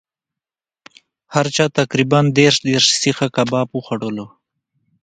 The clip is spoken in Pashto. هر چا تقریبأ دېرش دېرش سیخه کباب وخوړلو.